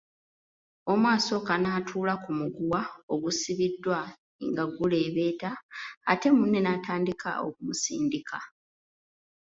Omu asooka n’atuula ku muguwa ogusibiddwa nga guleebeeta ate munne n’atandika okumusindika.